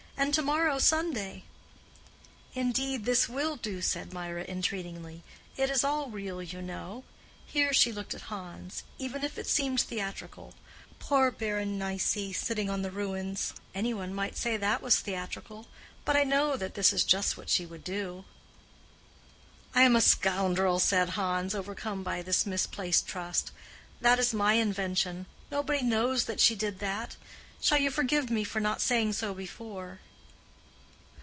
and to morrow Sunday?" "Indeed this will do," said Mirah, entreatingly. "It is all real, you know," here she looked at Hans—"even if it seemed theatrical. Poor Berenice sitting on the ruins—any one might say that was theatrical, but I know that this is just what she would do." "I am a scoundrel," said Hans, overcome by this misplaced trust. "That is my invention. Nobody knows that she did that. Shall you forgive me for not saying so before?"